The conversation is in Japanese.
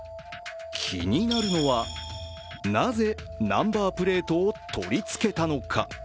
気になるのは、なぜナンバープレートを取りつけたのか。